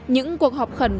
những cuộc họp khẩn